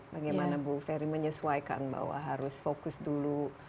bagaimana bu ferry menyesuaikan bahwa harus fokus dulu